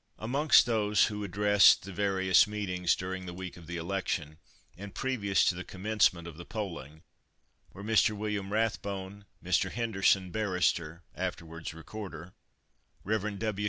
Amongst those who addressed the various meetings during the week of the election, and previous to the commencement of the polling, were Mr. William Rathbone, Mr. Henderson, barrister (afterwards recorder), Rev. W.